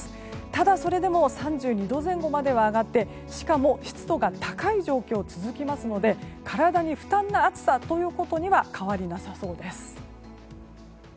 ただ、それでも３２度前後までは上がってしかも、湿度が高い状況続きますので体に負担な暑さということには変わりなさそうです。